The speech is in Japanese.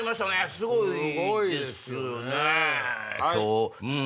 すごいですよね。